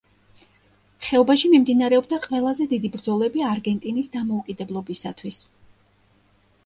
ხეობაში მიმდინარეობდა ყველაზე დიდი ბრძოლები არგენტინის დამოუკიდებლობისათვის.